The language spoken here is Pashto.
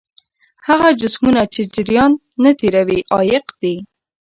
هغه جسمونه چې جریان نه تیروي عایق دي.